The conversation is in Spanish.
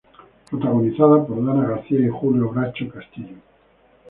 Protagonizada por Danna García y Julio Bracho Castillo.